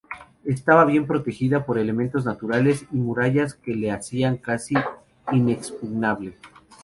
Estaba bien protegida por elementos naturales y por murallas que la hacían casi inexpugnable.